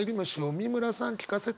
美村さん聞かせて。